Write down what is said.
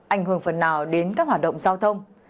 ảnh hưởng phần nào đến các hoạt động giao thông